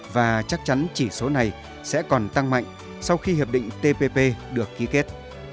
và chắc chắn chỉ số này sẽ còn tăng mạnh sau khi hiệp định tpp được ký kết